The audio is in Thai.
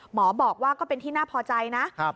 หมอบอกว่าก็เป็นที่น่าพอใจนะ